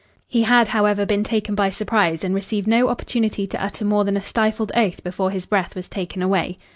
He had, however, been taken by surprise and received no opportunity to utter more than a stifled oath before his breath was taken away.